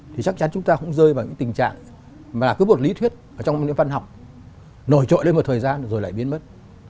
thì chắc chắn chúng ta cũng rơi vào những tình trạng mà cứ một lý thuyết ở trong những văn học nổi trội lên một thời gian rồi lại biến mất